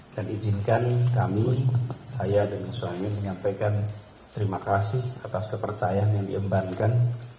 dan izinkan kami saya dan suamin menyampaikan terima kasih atas kepercayaan yang diembarkan